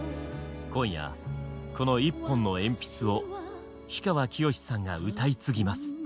今夜この「一本の鉛筆」を氷川きよしさんが歌い継ぎます。